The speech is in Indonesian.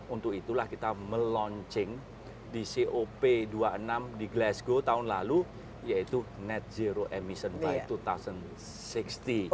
untuk itulah kita melaunching di cop dua puluh enam di glasgow tahun lalu yaitu net zero emission by dua ribu enam belas